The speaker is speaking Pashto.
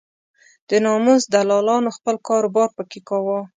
د ناموس دلالانو خپل کار و بار په کې کاوه.